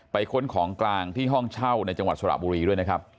ค้นของกลางที่ห้องเช่าในจังหวัดสระบุรีด้วยนะครับ